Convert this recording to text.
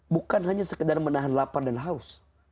bukan hanya sekedar menahan lapar dan haus